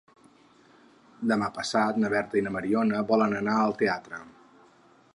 Demà passat na Berta i na Mariona volen anar al teatre.